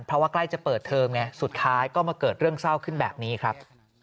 เพราะว่าใกล้จะเปิดเทอมไงสุดท้ายก็มาเกิดเรื่องเศร้าขึ้นแบบนี้ครับ